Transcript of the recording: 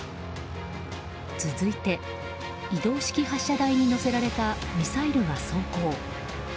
続いて移動式発射台に載せられたミサイルが走行。